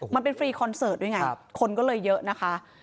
ฟรีคอนเสิร์ตด้วยไงคนก็เลยเยอะนะคะ